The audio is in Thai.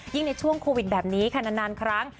ในช่วงโควิดแบบนี้ค่ะนานครั้ง